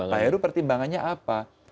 pak heru pertimbangannya apa